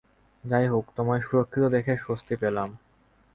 যাইহোক, তোমায় সুরক্ষিত দেখে স্বস্তি পেলাম।